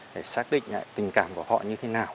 để xác định lại tình cảm của họ như thế nào